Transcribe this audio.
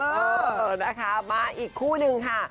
เออนะคะมาอีกคู่นึงค่ะ